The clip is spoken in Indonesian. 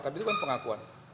tapi itu kan pengakuan